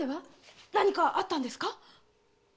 何かあったんですか？